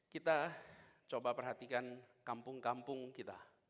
kita coba perhatikan kampung kampung kita